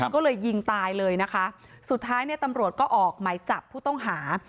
ก็เลยยิงตายเลยนะคะสุดท้ายเนี่ยตำรวจก็ออกหมายจับผู้ต้องหา